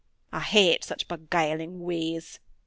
I hate such beguiling ways."